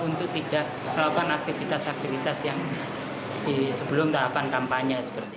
untuk tidak melakukan aktivitas aktivitas yang sebelum tahapan kampanye